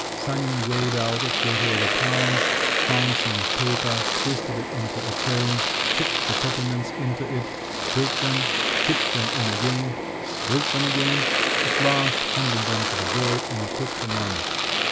Sanin weighed out a quarter of a pound, found some paper, twisted it into a cone, tipped the peppermints into it, spilt them, tipped them in again, spilt them again, at last handed them to the boy, and took the money….